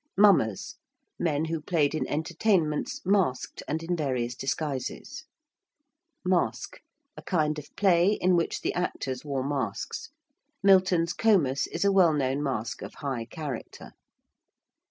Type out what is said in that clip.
~Mummers~: men who played in entertainments masked and in various disguises. ~masque~: a kind of play in which the actors wore masks. Milton's 'Comus' is a well known masque of high character.